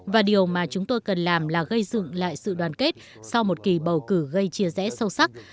và điều mà chúng tôi cần làm là gây dựng lại sự đoàn kết sau một kỳ bầu cử gây chia rẽ sâu sắc